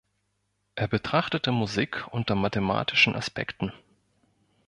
Er betrachtete Musik unter mathematischen Aspekten.